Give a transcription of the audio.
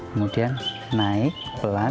kemudian naik pelan